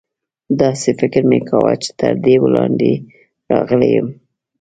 داسې فکر مې کاوه چې تر دې وړاندې راغلی یم.